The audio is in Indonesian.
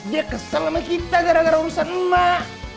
dia kesal sama kita gara gara urusan emak